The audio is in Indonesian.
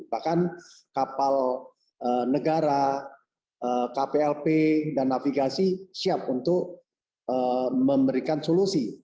bahkan kapal negara kplp dan navigasi siap untuk memberikan solusi